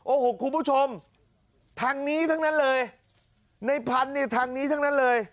โอ้โหคุณผู้ชมทางนี้ทั้งนั้นเลยในพันธุ์เนี่ยทางนี้ทั้งนั้นเลย